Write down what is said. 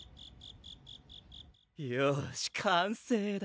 よし完成だ